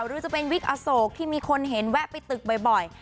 หรือจะเป็นวิกอโศกที่มีคนเห็นแวะไปตึกบ่อย